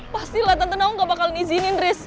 pastilah tante nawang gak bakalan izinin riz